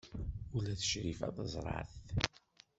Ula d Crifa teẓra-t.